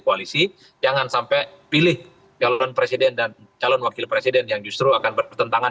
koalisi jangan sampai pilih calon presiden dan calon wakil presiden yang justru akan bertentangan